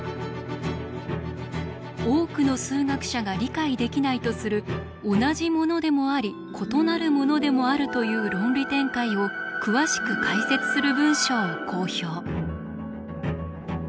多くの数学者が理解できないとする同じものでもあり異なるものでもあるという論理展開を詳しく解説する文章を公表。